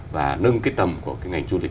và nâng cái tầm của cái ngành du lịch